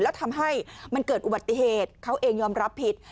แล้วทำให้มันเกิดอุบัติเหตุเขาเองยอมรับผิด